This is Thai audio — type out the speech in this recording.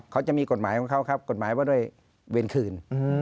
เขาจะมีกฎหมายของเขาครับกฎหมายว่าด้วยเวรคืน